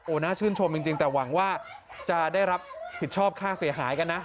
น่าชื่นชมจริงแต่หวังว่าจะได้รับผิดชอบค่าเสียหายกันนะ